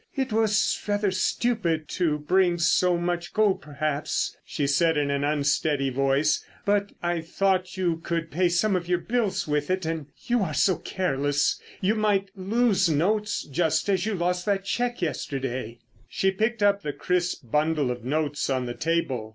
"It was rather stupid to bring so much gold perhaps," she said in an unsteady voice. "But I thought you could pay some of your bills with it. And—you are so careless. You might lose notes just as you lost that cheque yesterday." She picked up the crisp bundle of notes on the table.